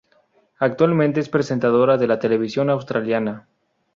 Actualmente es presentadora de la televisión australiana.